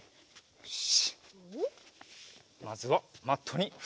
よし！